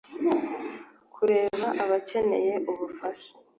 kureba abakeneye ubufasha